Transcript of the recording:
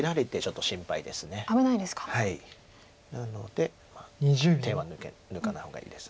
なので手は抜かない方がいいです。